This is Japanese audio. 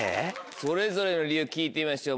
それぞれの理由聞いてみましょう